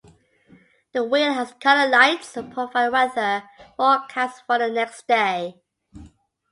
The wheel has colored lights that provide a weather forecast for the next day.